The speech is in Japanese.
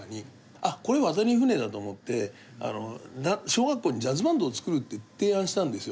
「あっこれ渡りに船だ」と思って小学校にジャズバンドを作るって提案したんですよ。